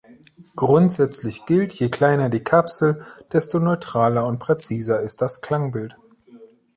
Grundsätzlich gilt: Je kleiner die Kapsel, desto neutraler und präziser ist das Klangbild.